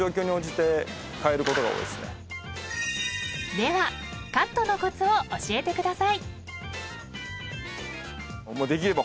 ［ではカットのコツを教えてください］